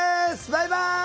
バイバイ！